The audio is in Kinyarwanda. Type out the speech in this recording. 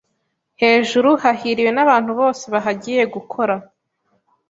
Hejuru hahiriwe nabantu bose bahagiye gukora